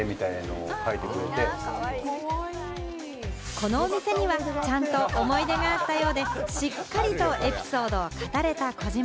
このお店には、ちゃんと思い出があったようで、しっかりとエピソードを語れた児嶋。